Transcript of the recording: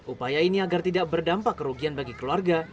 upaya ini agar tidak berdampak kerugian bagi keluarga